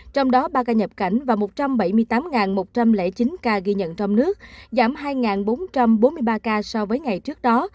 trong đó ba ca nhập cảnh và một trăm bảy mươi tám một trăm linh chín ca ghi nhận trong nước giảm hai bốn trăm bốn mươi ba ca so với ngày trước đó